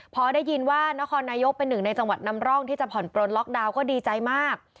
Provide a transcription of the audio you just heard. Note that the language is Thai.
พอได้ยินว่านครนายกเป็นหนึ่งในจังหวัดนำร่องที่จะผ่อนปลนล็อกดาวน์ก็ดีใจมาก